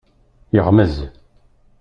Yeɣmez.